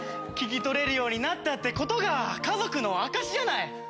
聞き取れるようになったってことが家族の証しじゃない。